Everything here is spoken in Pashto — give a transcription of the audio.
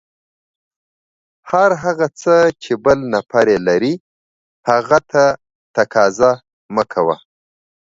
هر هغه څه چې بل نفر یې لري، هغه ته تقاضا مه کوه.